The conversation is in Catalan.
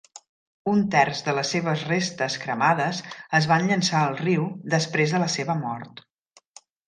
Un terç de les seves restes cremades es van llançar al riu després de la seva mort.